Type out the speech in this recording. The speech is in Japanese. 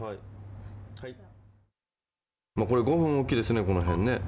これ５分おきですね、このへんね。